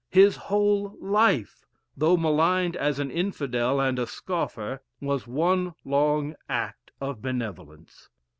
His whole life, though maligned as an Infidel and a scoffer, was one long act of benevolence.